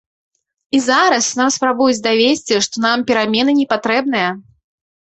І зараз нам спрабуюць давесці, што нам перамены не патрэбныя.